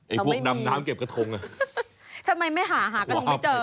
พวกดำน้ำเก็บกระทงอ่ะทำไมไม่หาหากระทงไม่เจอ